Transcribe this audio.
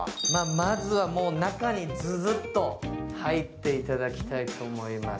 まずは中にズズッと入っていただきたいと思います。